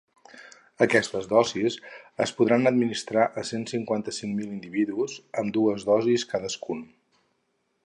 Aquestes dosis es podran administrar a cent setanta-cinc mil individus, amb dues dosis cadascun.